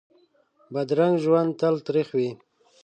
بدرنګه ژوند تل تریخ وي